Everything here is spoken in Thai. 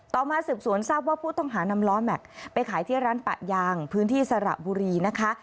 มาสืบสวนทราบว่าผู้ต้องหานำล้อแม็กซ์ไปขายที่ร้านปะยางพื้นที่สระบุรีนะคะ